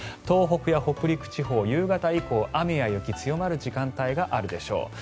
東北や北陸地方、夕方以降雨や雪が強まる時間帯があるでしょう。